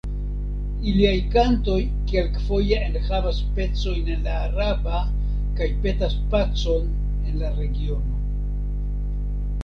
Iliaj kantoj kelk-foje enhavas pecojn en la araba, kaj petas pacon en la regiono.